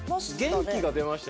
元気が出ました